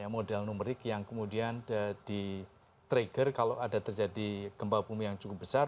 model numerik yang kemudian di trigger kalau ada terjadi gempa bumi yang cukup besar